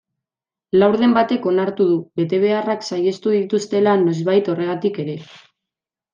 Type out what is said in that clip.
Laurden batek onartu du, betebeharrak saihestu dituztela noizbait horregatik ere.